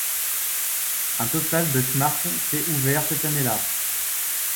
Un total de Kmart s’est ouvert cette année-là.